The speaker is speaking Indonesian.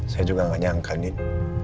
saya juga gak nyangka nih